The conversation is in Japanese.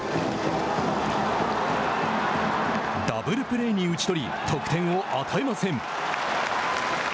ダブルプレーに打ち取り得点を与えません。